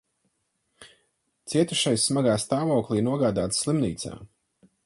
Cietušais smagā stāvoklī nogādāts slimnīcā.